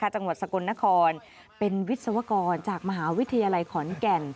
จังหวัดสกลนครเป็นวิศวกรจากมหาวิทยาลัยขอนแก่น